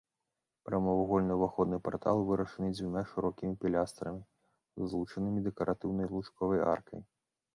Прамавугольны ўваходны партал вырашаны дзвюма шырокімі пілястрамі, злучанымі дэкаратыўнай лучковай аркай.